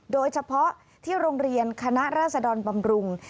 โดยเฉพาะที่โรงเรียนคณะราษดรบำรุง